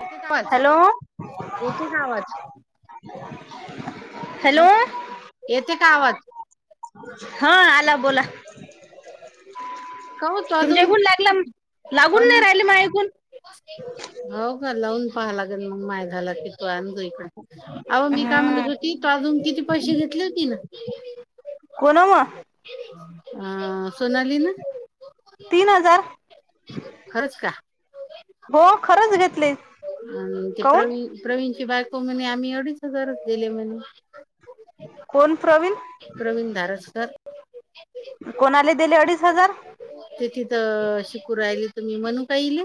येतोय का आवाज? हॅलो येतोय का आवाज? हॅलो, येतोय का आवाज? हा. आला बोला? काहून तो तुमच्या अजून इथून लागला. हो लागून नाही ना राहिले माझ्या ऐकून हो का लावून पहायला लागल. मग माय झााला की तू आण अहो, मी काय म्हणत हम्म होती? तू अजून किती पैसे घेतले होती ना. कोणावा अह सोनाली ना? तीन हजार खरंच का. हो, खरंच घेतली. आणि ते प्रवीण प्रवीण ची बायको म्हणे आम्ही अडीच हजारच दिले म्हणे. कोण प्रवीण? प्रवीण दारसकर कोणाले दिले अडीच हजार? तिथि शिकुन राहिले तुम्ही म्हणून का ईले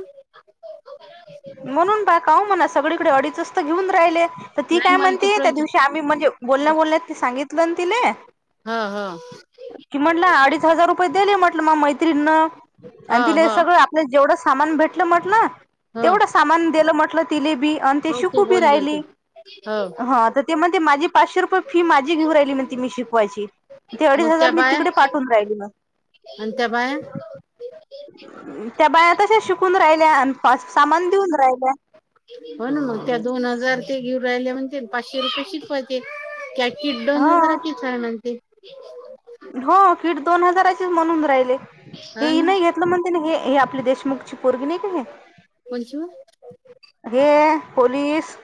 म्हणून बा कवा म्हणा सगळीकडे अडीचच तर घेऊन राहिले. तर ती नाही काय मला ते म्हणते. त्या प्रवीण दिवशी आम्ही म्हणजे बोलण्या बोलण्या ते सांगितलं ना तिले. हा हा कि म्हटलं अडीच हजार रुपये दिले. म्हंटलं म मैत्रीन न हा आणि तिला हा सगळं जेवढं सामान भेटलं म्हटलं हो तेवढं सामान दिलं म्हटलं. तिले बी आणि ते हो तू शिकूबी बोलली होती राहिली हो हा ते ते म्हणते माझी पाचशे रुपये फी माझी घेऊन राहिली म्हणते मी शिकवायची ते अडीच मग हजार त्या मी बाया तिकडे पाठवून राहिली मग, आणि त्या बाया त्या बाया तशाच शिकून राहिल्या आणि सामान देऊन राहिल्या. हो, ना मग त्या दोन हजार त्या घेऊन राहिल्या म्हणते पाचशे रुपये शिकवायचे. एक दोन व हा हजाराची हाय म्हनते. हो, दिढ दोन हजाराचीच म्हणून राहिले. हो हे ना नाही घेतलं म्हणून हे आपले देश मुख ची पोरगि नाही का. कोणची हो? हे हे पोलीस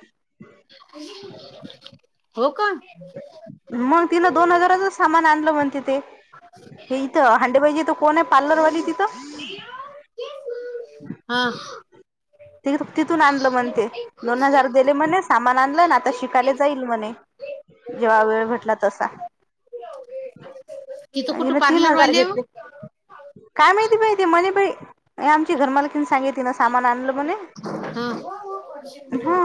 हो का, मग तिन दोन हजाराच सामान आणलं म्हणती ते हे इथं हंडेबाई च्या हीथ कोण आहे पार्लरवाली तिथं हा, ते तिथून आणलं म्हणते. दोन हजार दिले म्हणे सामान आणलं ना आता शिकायले जाईल म्हणे. जेव्हा वेळ भेटला तसा. [unintelligible] कुठं हन तीन पार्लर हजार वाली आहे हो? घेतले काय माहिती बा ते म्हणे बा आमची घरमालकीन सांगे तिं सामान आणलं. ब हा हा.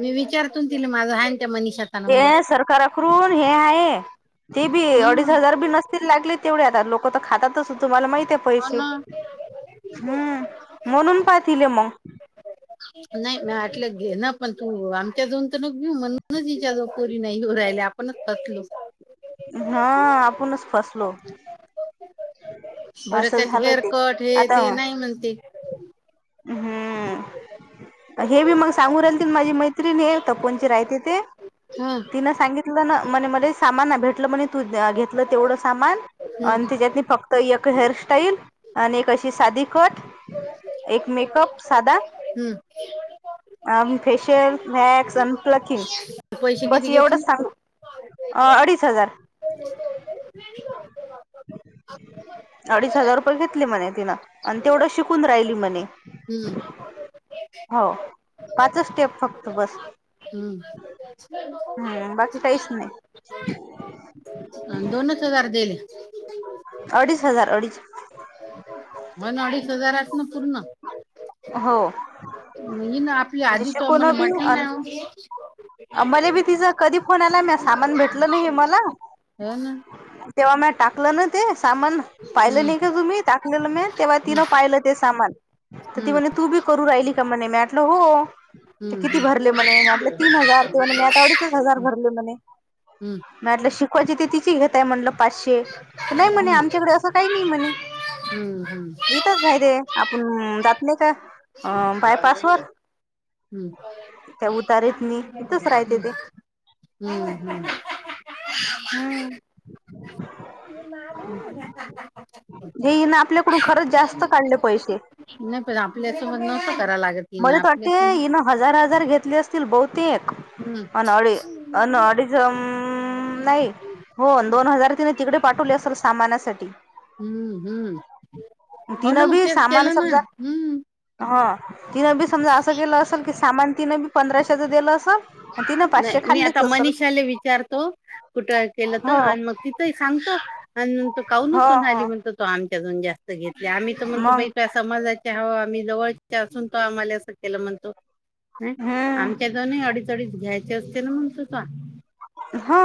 मी विचारतून तिला माझं ह त्या मनषातच. ते सरकारकडून हे आहे. ते बी अडीच हम्म हजार बी नसतील लागले तेवढे आता लोक तर खातातच तुम्हाला माहििते. हो पैसे ना हम्म म्हणून पाहतीलले मग. नाही नाही आटलं घे ना पण तू आमच्या दोन तर नग घेऊ म्हणून तिच्या ज पोरी नाहीऊ राहिले. पण काातलो. हा आपणच फसलो. हम्. बरं त्यात हेअर कट हे ते नाही म्हणते. हम्म. हे बी मग सांगून राहिलतील माझी मैत्रिणी तपोनची राहते ते. हा तिनं सांगितलं ना म्हणे मला सामान ना भेटलं म्हणे तू घेतलं तेवढं सामान. हम्म. आणि त्याच्यात फक्त एक हेअरस्टाईल आणि एक अशी साधी कट. एक मेकअप साधदा. हम्म. अ फेशियल वॅक्स अन प्लकिंग. पैसे बस किती घेतले? एवढंच सांग अ अडीच हजार. अडीच हजार रुपये घेतले म्हणे तिनं आणि तेवढं शिकून राहिली म्हणे. हम्म. हो पाचच स्टेप फक्त बस. हम् हम्म बाकी तहीच नाही. दोनच हजार दिले. अडीच हजार अडीच. पण अडीच हजारात ना पूर्ण हो. म ना आपली म्हणजे आधी त शिकून मला मट. मला बी तिचा कधी फोन आला म सामान भेटलं नाही मला. हो ना. तेव्हा म टाकलं ना ते सामान पाहिलं हम्म नाही का तुम्ही टाक लं म तेव्हा हम्म तिनं पाहिलं ते सामान. तर ती हम्म म्हणे तू बी करू राहिली का म्हणे मीटलं हो. ते किती हम्म भरले म्हणे मटले तीन हजार ते म्ह मी आता आवडीच हजार भरले म्हणे. हम्म मटलं शिकवायची ते तिची घेतताय म्हटलं. पाचशे नाही म्हणे हम्म हम्म आमच्याकडे असं काही नाही म्हणे. हम्म हम्म इथंच आहे ते आपण जात नाही का बायपास वर. त्या हम्म उतारीत नाही इथंच हम् राहते ते हम् हम्. हम्म. म ना. हे ना आपल्याकडून खरंच जास्त काढले पैसे. नाही पण आपल्याच नस कराव लागत. तिनं मध्येत आपल्या वाटते यु नो हजार हजार घेतले असतील बहुतेक. हम्म अन अनवाळी नाही हो दोन हजार त नाही तिकडे. पाठवले असेल सामानासाठी. हम्म हम्म हो ना तिनं मग बी तेच सामान केलं ना समजा हम्म हा. तिनं बी समजा असं केलं असेल की सामान तिनं बी पंधराशेचं दिलं असेल. तिनं पाचशे नाही मी आता खाल्लेच असेल मनषाला विचारतो. कुठे केलं तर हो आणि मग तिथंही सांगत आणि न हो काउनसोन हो आली म्हणत. आमच्यातून जास्त घेतले आम्ही म्हणतो मग बा. समाजाचे हवा आम्ही जवळच्या असून तो आम्हाला असं केलं म्हणतो. ह हम्म आमच्या दवनही अडीच अडीच घ्यायचे असते ना म्हण तस. हा.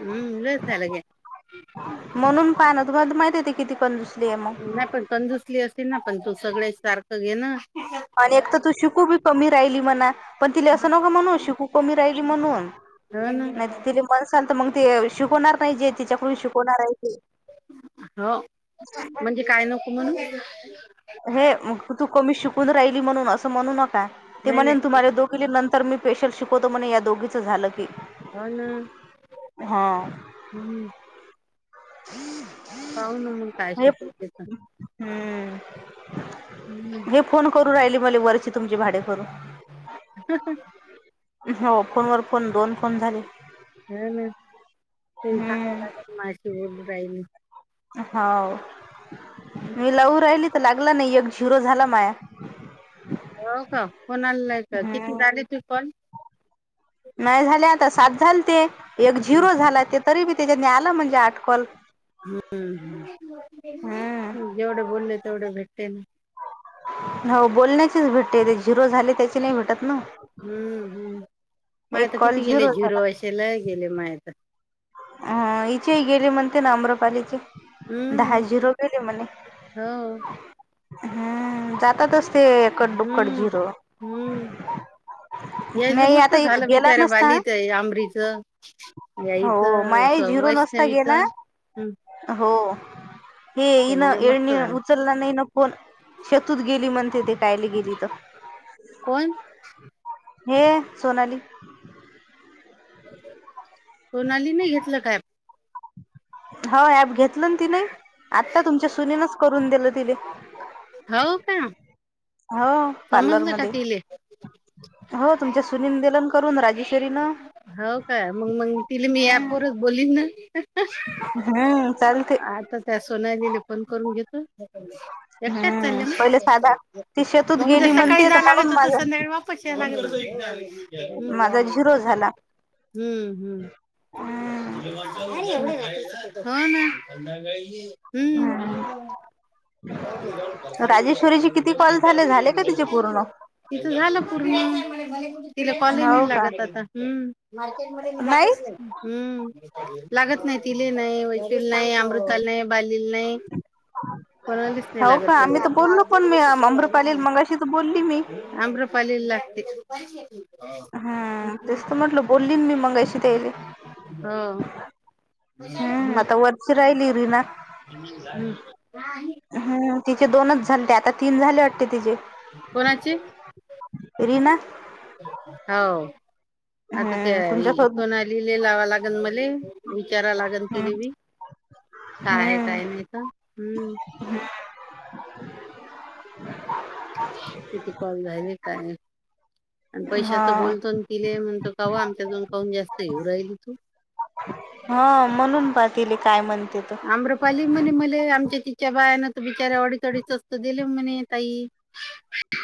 हम्म सलग म्हणून पान तुम्हा माहिती येते किती पण दुसली आहे मग नाही पण कंजुसली असे ना पण तू सगळ्या सारखं घे ना. आणि एक तर तू शिकू बी कमी राहिली म्हणा. पण तिला असं नको म्हणून शिकू कमी राहिली म्हणून हो ना नाही ति पण असल तर मग ते शिकवणार नाही जे तच्याडून शिकवणार आहे ते हो म्हणजे काय नको म्हणून हे मग तू कमी शिकून राहिली म्हणून असं म्हणू नका ते नाही म्हणेन नाही तुम्हाला दोघ. ली नंतर मी पेशल शिकवतो म्हणे या दोघीचं झालं की ह ना हा. हम्म. हम्. हो न मग काय शेत हम्म. हम्म. हे फोन करू राहिले मले वरचे तुमची भाडे करून हो फोन वर फोन दोन फोन झाले. हा ना ते झाग लाग माशीी बोलल. काई. होा मी लऊ राहिली. लागलं नाही एकग झिरो झाला माया. हो का कोणालाय का किती हम्म. झाले तू फॉल नाही झाले आता सात झाल ते एक हम्म. झिरो झाला ते तरी बी त्याच्यानी आलं म्हणजे आठकल. हम्म. हम्म जेवढे बोलले तेवढे भेटते ना. हो बोलण्याचीच भेटते ते झिरो झाले त्याची नाही भेटत ना. हम्म हम् एक मायता कॉल किती गेले झाला. झिरो असशेला गेले माय आता ह इथे गेले म्हणते ना अम्रपालीचे हम्म दहाजिरो गेले मणे हो हम् जातातच. ते एकड दुक्कड हम्म झिरो. याच नाही मस्त आता झालं गेला बिचार्या नसता बालीच आंबरीच हो याईचं. माया सग झिरो नसता वैष्णवी गेला तर हो हे इन त्यांले मस्त येडणी झालं उचलला नाही न. होण शतूत गेली म्हणते ते कायला गेली तर कोण हे सोनाली कोोणाली नाही घेतलं काय? हो ॲप घेतलं ना ति नाही आत्ता तुमच्या सुनीनच करून दिलं तिने. हो काण? हो पार्लर मध्ये तिले हो तुमच्या सुनील दिलन करून राजेश्वरीन हो का मग मग तिला मी ऍपवरच बोललीन ना. हम्म चालते. आता त्या सोनली लले पण करून घेतो. एकट्याच हम्म चालल्या पहिले साधा मग ती शेतूत मग उद्या गेली सकाळी म्हणते तर जा म्हणून लागत होत माझा संध्या बा. पक्ष. माझा झिरो झाला. हम्म हम्म हा ना हम्म अो राजेश्वरीचे किती कॉल प्र झाले झाले का तिचे पूर्ण? [inaudible] तिच झालं पूर्ण तिला कॉलेज हो नाही का लागत आता.. मार्केट मी नाही जातच नाही. लागत नाही तिले नाही वैशल नाही अमृताला नाही बाली ला नाही कोणालाच नाही हो का लागत आम्ही तर बोललो पण मी त्यांना अमृपाली मंगाशी तर बोलली मी आम्रपाली लागते. हम तेच तर म्हटल बोलली मी मंगायची त्यायली हा. हम्म आता वरची राहिली ना. आणि हम्म तिचे दोनच झालेते आता तीन झाले वाटते तिचे.. कोणाची रीना हो आता हम्म त्या तुमच्या सोब सोना लिले लावा लागन मले.. विचारा लागेल हम्म तिले बी का आहे हम्म काय नाही तर हम्म किती कॉल झाले काय आणि हा पैशाच बोलतो. तिलेय म्हणतो काव आमच्याकडून काहून जास्त येऊ राहिल तू. हा म्हणून पाहतले काय म्हणते तो. आम्रपाली म्हणे मले आमच्या तिच्या बायाना बिचार्या वडीतडी स्स्त दिले. म्हणे तई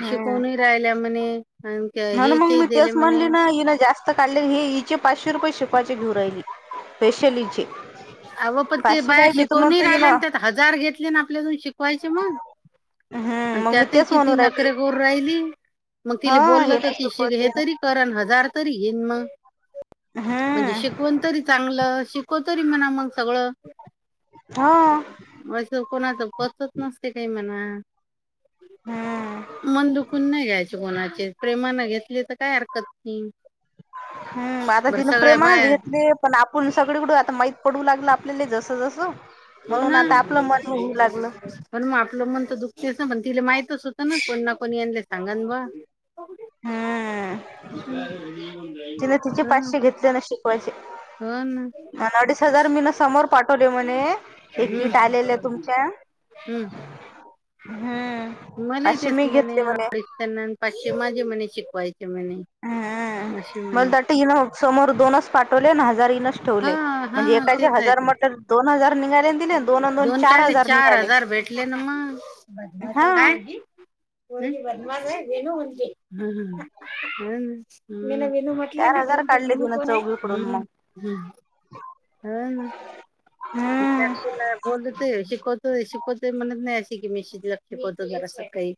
शिकवूनही राहिल्या म्हणे. ह ना मग हेचेही मी दिले तेच म्हणली म्हणे ना ह ना जास्त काढले हे इचे पाचशे रुपये शिपाचे घेऊ राहिली स्पेशल इचे. अवं पण ते बाया शिकवून राहिल्या म्हणतो त्यात हजार घेतले ना आपल्याजून शिकवायचे मग हिन हम्म आणि मग मी त्यातही तेच किती म्हणू राहिली. नकरें करू राहिली. मग हा तिला बोललं हे तर नाही तिश हे शिकवते तरी ण हजार तरी घेन म म्हणजे हम्म शिकवण तरी चांगलं श को तरी म्हणा मग सगळं हा असं कोणाच पचत नसते काही म्हणा हम्म. मन दुखून नाही घ्यायचे कोणाचे प्रेमान घेतली तर काय हरकत नाही. हम्म आता बरं तिनं सगळ्या प्रेमानच बाया घेतले. पण आपण सगळीकडं आता माहीत पडू लागलं आपल्याला जस जसं हो म्हणून ना आता आपलं मन येऊ लागलं. पण मग आपलं मन तर दुखतेस ना पण तिला माहीतच होतं ना कोणना कोणी आणले सांगन ब हा आ [unintelligible] हम् पाचशे घेतले ना शिकवायचे. हो ना अन अडीच हजार मी ना समोर पाठवले म्हणे ते कीट आलेलं आहे तुमच्या हम्म हम्म पाचशे मी घेतली म्हणे त्यांना पाचशे माझे म्हणे शिकवायचे म्हणे. हम्म अशी म्हणे मलात वाटतं ईन समोर दोनच पाठवले हजार इनच हा ठेवले हा म्हणजे एकाचे तेच आहे हजार ते मतर दोन हजार निघालेन. दोन कायले चार हजार भेटले ना मग बदमास हा है पोरगी. ह ह [inaudible] मन विनू म्हटलं चार ना हजार तुमची काढले विनू तिनं कोण आहे चौघीकडून मग ह हौना त्या हम्म. बोलत शिकवतो शिकवतोय म्हणत नाही अशी की मी शिकवतो जरासं काही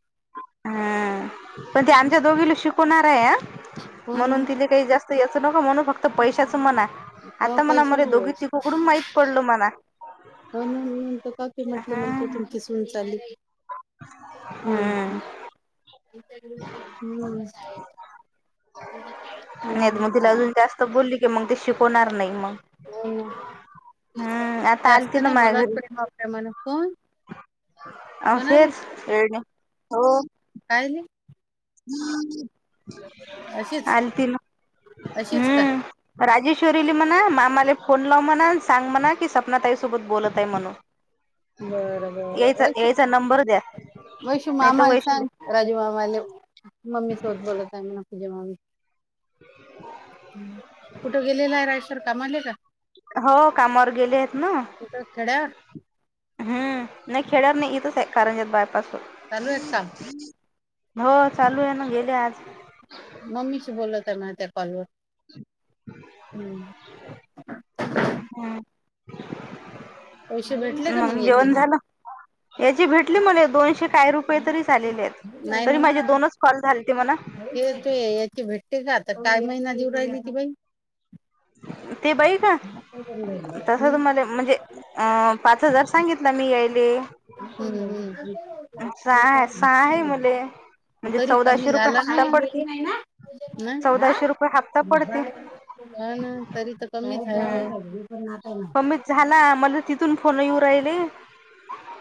हम्म पण ते आमच्या दोघीला शिकवणार आहे ह हो ना म्हणून तिथ काही जास्त याचं नको म्हणून फक्त पैशाच म्हणा हो आता म्हणा पैसा मर दोघी तिघी कडून माहीत पडल म्हणा. हो ना मी म्हणतो का की म्हटलं म्हणते तुमची सून चालली. हम्म. ह [unintelligible] तर बोलली की मग, ते शिकवणार नाही मग. हम्म, आता आलती ना माया घरी. [unintelligible] प्रमाण कोण, सोनाली असंच [unintelligible] हो. काय झाले. अशीच आलती मग अशीच का हम्. राजेश्वरीला म्हणा मामाला फोन लाव म्हणा सांग, म्हणा की सपनातााईसोबत बोलत आहे. बरं म्हणून बरं यायचा वैशू यायचा नंबर द्या वैशू नाही तर, मामाला वैशाली सांग राजू मामाले मम्मी सोबत बोलत आहे. म्हणा पूजा मामी. कुठं गेलेला आहे. राजेश्वर कामाले का, हो कामावर गेलेत ना. कुठं खेड्यावर हम्म. नाही खेड्यावर नाही इथंच आहे कारंजात बायपास वर. चालू आहे काम हो चालू आहे, ना गेले आज मम्मीशी बोलत आहे. मग त्या कॉलवर हम्म. [unintelligible] आ [unintelligible] पैसे भेटले का मग याचे. याचे भेटले मले, दोनशे काही रुपये तरी झालेलेत नाही तरी ना माझे मग दोनच कॉल झालेते म्हणा. ते तू याची भेटते का, तर काय महिना देऊ राहिली ती बाई. ती बाई का, तसंच हम्म, मले म्हणजे, अ पाच हजार सांगितला मी यायले. हम्म, हम्म. सहा आहे सहा आहे मले. तरी कमी चौदाशे रुपये झालंना, हप्ता शाळेत पडते गेली नाही ना मग चौदाशे रुपये हप्ता पडते आ नाही. हो ना, तरी तर कमीच हम्म हाय. कमीच झाला मला तिथून फोन येऊ राहिले.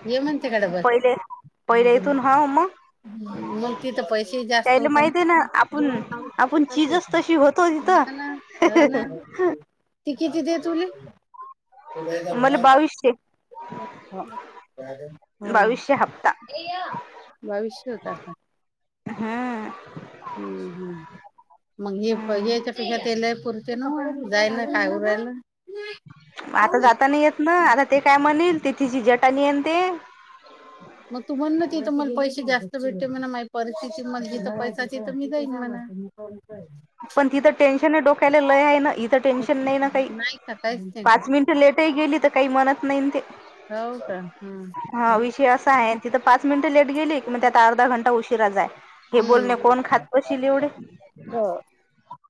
ये म्हणते काय डबल. पहिला इथून ह मग. मग तिथं पैसे जास्त त्याला होते माहित आहे ना आपूण, आपूण चीजच तशी होतं. तो हो ना हो तिथं. ना ती किती दे तुला. मला बावीसशे [unintelligible] हा, बावीसशे हप्ता बावीशे होता का, हा. हम्म हम्. मग ये हम्म याच्या पेक्षा ते लय पुर तेन्व जायला काय उरून रायल. आता जाताना येत ना, आता ते काय म्हणेल ते तिची जटानी येन ते. मग तु म्हना तिथं मला पैसे जास्त भेटते. म्हमा परिस्थिती मग तिथ पैसा तिथं, मी जैणार. पण तिथं टेन्शन आहे डोक्याला लय आहे ना, इथं टेन्शन नाही ना काही नाही का काहीच नाही पाच का मिनिटं. लेट ही गेली तर, काही म्हणत नाही ते. हो का, हम्म हा विषय असा आहे. तिथं पाच मिनिटं लेट गेली की मग म्हणत्यात अर्धा घंटा उशिरा जाय. हे बोलणे हम्म कोण खात बशील येवड.